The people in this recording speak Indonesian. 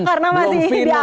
karena masih di audit ya